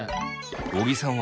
尾木さん